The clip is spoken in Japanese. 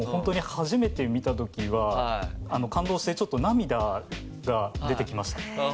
初めて見た時は感動してちょっと涙が出てきました。